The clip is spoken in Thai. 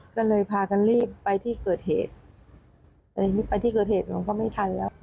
ก็เลยพากันรีบไปที่เกิดเหตุแต่ทีนี้ไปที่เกิดเหตุหลวงพ่อไม่ทันแล้ว